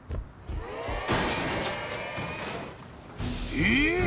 ［えっ！？